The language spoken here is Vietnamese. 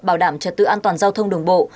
bảo đảm trật tự an toàn giao thông đường bộ